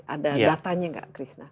ada datanya gak krisna